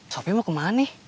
sopi mau kemana nih